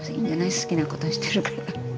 好きなことしてるから。